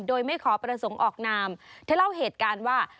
โดยไม่ขอประสงค์ออกนามเธอเล่าเหตุการณ์ว่า